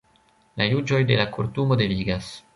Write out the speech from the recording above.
La juĝoj de la Kortumo devigas.